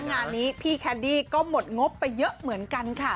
งานนี้พี่แคนดี้ก็หมดงบไปเยอะเหมือนกันค่ะ